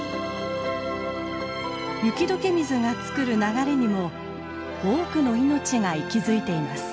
雪解け水が作る流れにも多くの命が息づいています。